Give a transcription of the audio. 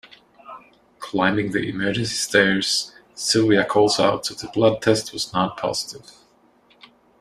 Climbing the emergency stairs, Silvia calls out that the blood test was not positive.